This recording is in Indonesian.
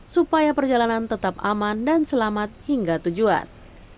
supaya perjalanan tetap aman dan selamat hingga tujuan